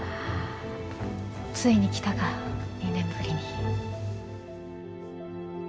ついに来たか２年ぶりに。